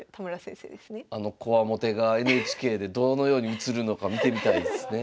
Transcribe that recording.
あのこわもてがＮＨＫでどのように映るのか見てみたいですね。